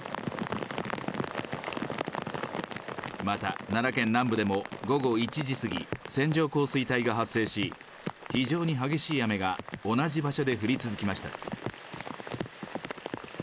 また、奈良県南部でも午後１時過ぎ、線状降水帯が発生し、非常に激しい雨が同じ場所で降り続きました。